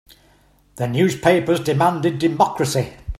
The newspapers demanded democracy.